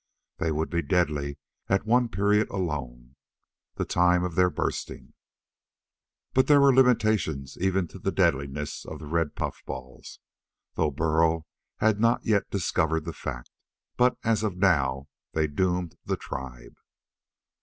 They would be deadly at one period alone the time of their bursting. But there were limitations even to the deadliness of the red puffballs, though Burl had not yet discovered the fact. But as of now, they doomed the tribe.